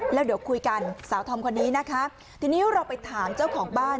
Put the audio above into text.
แล้วเดี๋ยวคุยกันสาวธอมคนนี้นะคะทีนี้เราไปถามเจ้าของบ้าน